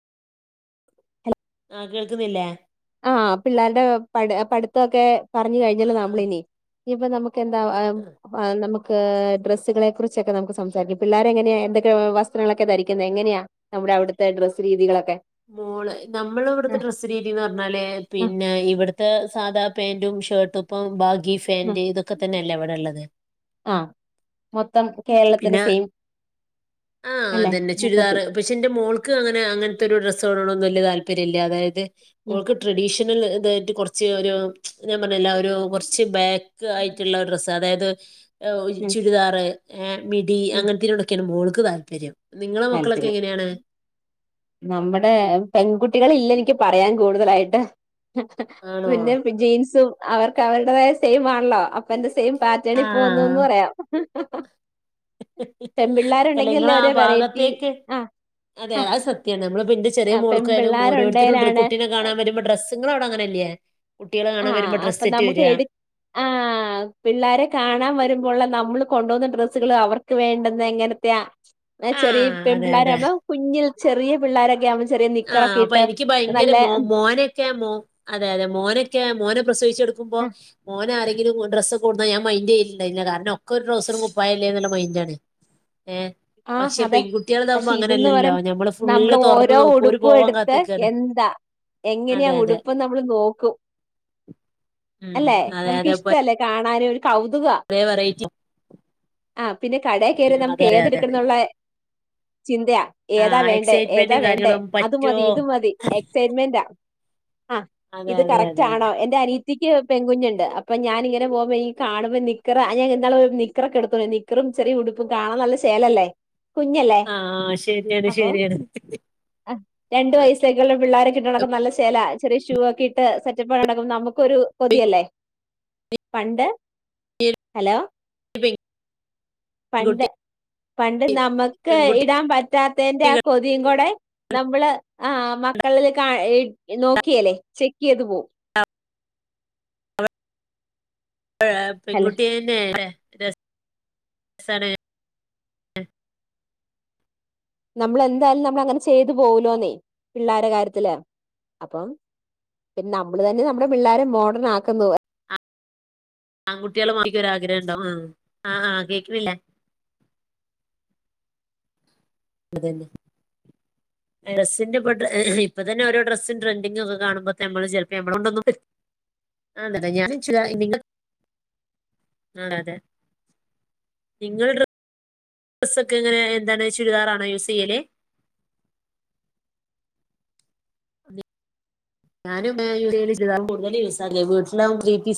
ആഹ് കേൾക്കുന്നില്ലേ ആഹ് പിള്ളേരുടെ പട് പട്ത്തൊക്കെ പർഞ് കഴിഞ്ഞല്ലോ ആഹ് നമ്മളിനി ഇനി ഇപ്പം നമ്മു ക്കെന്താ ആം ആഹ് ആംനമുക്ക് ക്ക് ഡ്രസ്സുകളെ കുറിച്ചൊക്കെ നമുക്ക് സംസാരിക്ക പിള്ളേരെങ്ങന്യാ എന്തൊക്കെ വസ്ത്രങ്ങളൊക്കെ ധരിക്കുന്നെ എങ്ങനെയാ നമ്മുടെ അവിടുത്തെ ഡ്രസ് രീതികളൊ മോള് നമ്മളെ വ്ട്ത്തെ ഡ്രസ്സ് രീതിന്ന് പറഞ്ഞാ ലേ ആഹ് പിന്നെ ഇവട്ത്തെ സാധാ പേ- ന്റും ഷേർട്ടുപ്പം ബാഗി ആഹ് ഫാന്റ് ഇതൊക്കെ തന്നെയല്ലേ വടെള്ളത് ആഹ് മൊത്തം കേരളത്തിന്റെ പിന്നെ സെയിം ആ അല്ലെ അതെന്നെ ചുരിദാർ മൊത്തത്തിൽ പക്ഷെ ന്റെ മോൾക്ക് അങ്ങനെ അങ്ങ ഡ്രെസ്സുകളോടൊന്നും വലിയ താല്പര്യല്ല അതായത് ഉം ഓൾക്ക് ട്രഡീഷണൽ പാ കൊർച് ഒരു ഞാൻ എല്ലാവരും കുറച്ച് ബാക്ക് ആയിട്ടുള്ള ഒരു ഡ്രസ്സ്‌ അതായത് ഉം ചുരിദാറെ എ മിടി ഉം. അങ്ങനത്തെനൊടൊക്കെയാണ് മോള് ക്ക് താല്പര്യം നിങ്ങളെ മക്കളൊക്കെ താല്പര്യം എങ്ങനെയാണ് ഇടെ പെൺകുട്ടികളില്ല എനിക്ക് പറയാൻ കൂടുതലായിട്ട് ആണോ പിന്നെ ജീൻസും അവർക്ക് അവരുടതായ സെയിം ആണല്ലോ അപ്പന്റെ സെയിം പാറ്റെർണിൽ പോന്നന്ന് ആഹ് പറയാം [unintelligible] അല്ല നിങ്ങള പെൺപിള്ളേരുണ്ടെങ്കിലല്ലേ ആ ഒരേ ഭാഗ വെറൈറ്റി ആ അതെ ആ അത് സത്യാണ് നമ്മള് ഇപ്പൊ എന്റെ ചെറിയ ആ മോൾക്കായാലും ഓരോരുത്തും പെൺപിള്ളേരുണ്ടേലാണ് കുട്ടിനെ കാണാൻവരുമ്പോൾ ഡ്രസ്സ് നിങ്ങള അവിടെ അങ്ങനെല്ലേ കുട്ടികളെ ആ കാണാൻ വരുമ്പോ ഡ്രസ്സ് അപ്പൊ സെറ്റ് നമുക്ക് വരാ? എടു ആ പിള്ളാരെ കാണാൻ വരുമ്പോള്ള നമ്മള് കൊണ്ടു പോകുന്ന ഡ്രസ്സുകൾ അവർക്ക് വേണ്ടെന്ന് എങ്ങനത്തെ ആ ചെറിയ ആഹ് അതെ പെൺപിള്ളാരാകുമ്പോൾ കുഞ്ഞ് ചെറിയ പിള്ളാരൊക്കെ ആകുമ്പ ആഹ അപ്പൊ എനിക്ക് ഭയങ്കര മോ മോനൊക്കൊ മോ അതെ അതെ മോനൊക്കെ ക്കെ മോന പ്രസവിച്ചെടുക്കുമ്പോ ആ മോന ആരെ എും ഡ്രസ്സ് കൊണ്ടുവന്ന ഞാൻ മൈൻഡ്ചെയ്യില്ല കാരണം ഒക്കെ ഒരു ഡ്രൗസറും കുപ്പായല്ലേ എന്നുള്ള മൈന്ഡണ് ഏ ആ, പക്ഷെ അതെ പെൺകുട്ടികൾടതാവുമ്പോ പക്ഷെ ഇതന്ന് അങ്ങനല്ലല്ലോ ഞമ്മള് ഫുള് തുറന്ന് നോക്ക ഉടുപ്പ എടുത്ത് എന്താ എങ്ങനെയാ അതെ അതെ. ഉടുപ്പന്ന് നമ്മൾ നോക്കും ഉം അല്ലെ അതെ അതെ. ഇപ്പൊ നമുക്കിഷ്ടമല്ലേ ആരെ കൗതുക ഒരേ വെറൈറ്റി പിന്നെ കടെ കേറി അതെ അതെ ഏതെടുക്കണ അതെ. ചിന്തയാ ഏതാ ആഹ് വേണ്ടേ ഏതാ എക്സൈറ്റ്മെന്റും വേണ്ടേ കാര്യങ്ങളും അത് പറ്റോ മതി ഇത മതി എക്സൈറ്റ്മെന്റ ആ അതെ ഇത് അതെ കറക്റ്റ് അതെ അതെ ആണോ എന്റെ അനിയത്തി നിക്ക് പെങ്കുഞ്ഞുണ്ട് അപ്പ ഞാനിങ്ങനെ പോകുമ്പോൾ കാണുമ്പോ നിക്കറഇന്നാള് പോയപ്പോ ഞാൻനിക്കറെക്കെ എടുത്ത നിക്കറും ചെറിയുടുപ്പും കാണൻ നല്ല ചേലല്ലേ കുഞ്ഞല്ലേ ആ ശരിയാണ് അപ്പം ശരിയാണ് രണ്ട് വയസെക്കുള്ള പിള്ളാരൊക്കെട്ട് നടക്കുമ്പോ നല്ല ശേല ചെറിയ ഷൂ ഒക്കെ ഇട്ട് സെറ്റപ്പ് ആ നടക്കുമ്പ നമുക്കൊരു കൊതിയല്ലേ. പണ്ട് ഹലോ? പെ പണ്ട് പണ്ട് നമുക്ക് പെൺകുട്ടി ഇടാൻ പറ്റാത്തേന്റെ ആ കൊതീംകൊടെ നമ്മള് ആ മക്കളില് ക ഇ നോക്കിയലെ ചെക്ക് ചെയ്ത് പോവും. ഏ [unintelligible] അല്ല പെൺകുട്ടി ത [inaudible] [unintelligible] ല്ലേ രസ് സാണ്. നമ്മളെന്തായാലും നമ്മൾ അങ്ങനെ ചെയ്തു പോകൂലോന്നേ പിള്ളേര കാര്യത്തില് അപ്പം നമ്മള് തന്നെ നമ്മുടെ പിള്ളേരെ മോഡേൺ ആക്കുന്നു. ആൺകുട്ടികള മക്ക് രുആഗ്രഹം ണ്ടാവും ആഹ് ആഹ് കേക്കുന്നില്ലേ അന്നെ ഡ്രസിന്റെ ഇപ്പ ഇപ്പ തന്നെ ഓരോ ഡ്രസ്സും ട്രെൻഡിങ് ഒക്കെ കാണുമ്പോ [unintelligible] ആ അതെ നിങ്ങള് ഡ്രസ് ഒക്കെ എങ്ങനെ എന്താണ് ചുരിദാറാണോ യൂസ് ചെയ്യല്? ഞാനും [unintelligible] കൂടുതലും യൂസ് ആക്ക വീട്ടിലാകുമ്പോ [unintelligible]